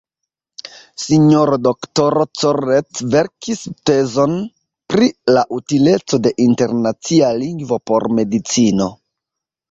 S-ro Doktoro Corret verkis tezon pri la utileco de internacia lingvo por medicino.